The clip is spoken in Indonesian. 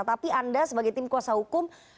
tapi anda sebagai tim kuasa hukum